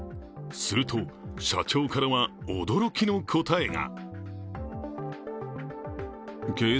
すると、社長からは驚きの答えが。